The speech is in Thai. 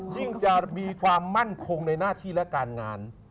ยิ่งจะมีความมั่นคงในหน้าที่และการงาน